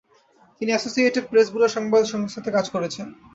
তিনি associated press bureau সংবাদ সংস্থাতে কাজ করেছেন।